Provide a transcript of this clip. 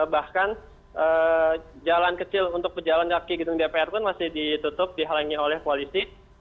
bahkan jalan kecil untuk pejalan kaki gedung dpr pun masih ditutup dihalangi oleh koalisi